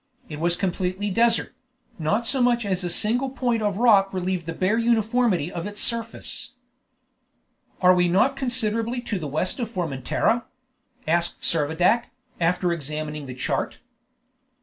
It was completely desert; not so much as a single point of rock relieved the bare uniformity of its surface. "Are we not considerably to the west of Formentera?" asked Servadac, after examining the chart.